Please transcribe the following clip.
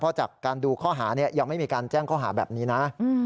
เพราะจากการดูข้อหายังไม่มีการแจ้งข้อหาแบบนี้นะ